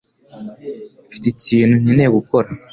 Mfite ikintu nkeneye gukora